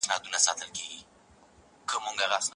ما په هېنداره کې د خپلې څېرې ګونځې په ځیر وګورې.